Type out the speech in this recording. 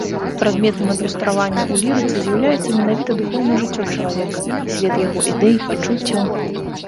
Прадметам адлюстравання ў лірыцы з'яўляецца менавіта духоўнае жыццё чалавека, свет яго ідэй, пачуццяў.